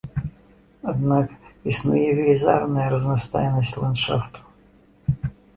Аднак існуе велізарная разнастайнасць ландшафту.